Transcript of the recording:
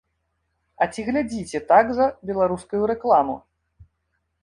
А ці глядзіце так жа беларускую рэкламу?